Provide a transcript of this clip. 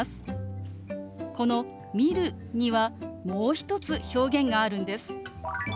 この「見る」にはもう一つ表現があるんです。